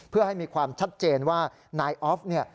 เพื่อให้มีความชัดเจนว่านายออฟเนี่ย